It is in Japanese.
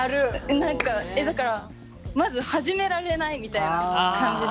何かえっだからまず始められないみたいな感じで。